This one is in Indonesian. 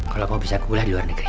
kalau kamu bisa kuliah di luar negeri